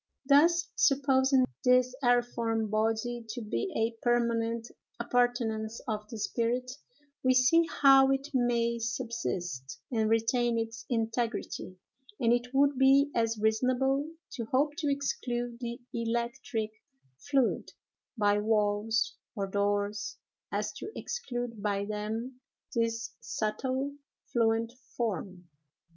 Thus, supposing this aeriform body to be a permanent appurtenance of the spirit, we see how it may subsist and retain its integrity; and it would be as reasonable to hope to exclude the electric fluid by walls or doors as to exclude by them this subtle, fluent form.